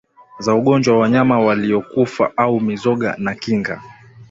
za ugonjwa wanyama waliokufa au mizoga na kinga